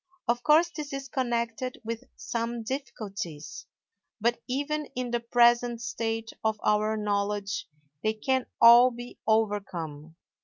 Of course, this is connected with some difficulties, but even in the present state of our knowledge they can all be overcome.